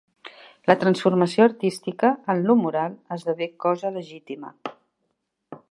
La transformació artística, en lo moral, esdevé cosa legítima.